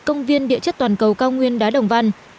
công viên địa chất toàn cầu cao nguyên đá đồng văn